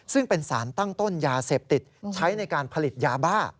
ซึ่งเป็นสารตั้งต้นยาเสพติดใช้ในการผลิตยาบ้า